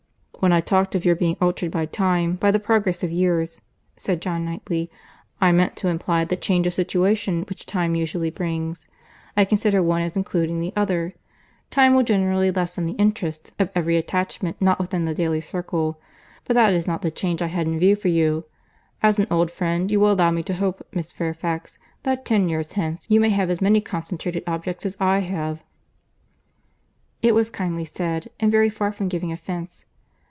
"When I talked of your being altered by time, by the progress of years," said John Knightley, "I meant to imply the change of situation which time usually brings. I consider one as including the other. Time will generally lessen the interest of every attachment not within the daily circle—but that is not the change I had in view for you. As an old friend, you will allow me to hope, Miss Fairfax, that ten years hence you may have as many concentrated objects as I have." It was kindly said, and very far from giving offence.